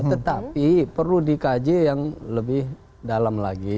tetapi perlu dikaji yang lebih dalam lagi